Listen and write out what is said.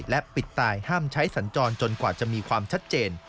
ปิดตายห้ามใช้สัญจรจนกว่าจะมีความชัดเจน